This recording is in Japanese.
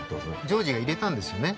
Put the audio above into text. ジョージが入れたんですよね？